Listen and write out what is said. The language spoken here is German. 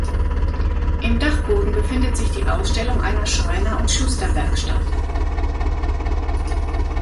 Im Dachboden befindet sich die Ausstellung einer Schreiner- und Schusterwerkstatt.